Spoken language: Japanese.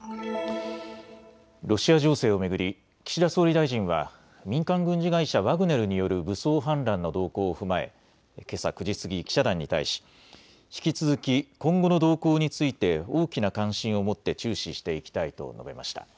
ロシア情勢を巡り岸田総理大臣は民間軍事会社、ワグネルによる武装反乱の動向を踏まえけさ９時過ぎ、記者団に対し引き続き今後の動向について大きな関心を持って注視していきたいと述べました。